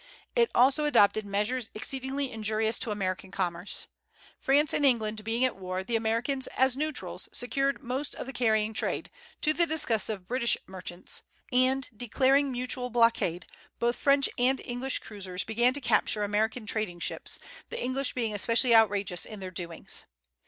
It also adopted measures exceedingly injurious to American commerce. France and England being at war, the Americans, as neutrals, secured most of the carrying trade, to the disgust of British merchants; and, declaring mutual blockade, both French and English cruisers began to capture American trading ships, the English being especially outrageous in their doings.